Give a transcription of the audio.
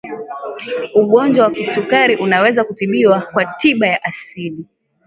ugonjwa wa kisukari unaweza kutibiwa kwa tiba za asili